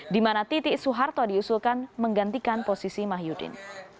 dimana titik suharto diusulkan menggantikan posisi mahyudin